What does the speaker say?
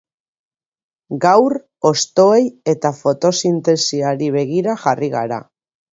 Gaur, hostoei eta fotosintesiari begira jarri gara.